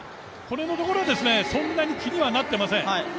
これのところはそんなに気にはなってません。